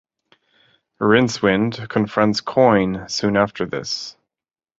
Rincewind confronts Coin soon after this.